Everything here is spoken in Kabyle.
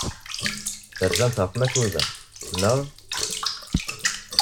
Terzamt ɣef Makuda, naɣ?